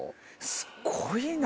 すごいな。